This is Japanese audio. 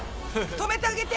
止めてあげて！